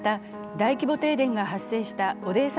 大規模停電が発生したオデーサ